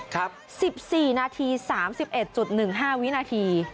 ครับสิบสี่นาทีสามสิบเอ็ดจุดหนึ่งห้าวินาที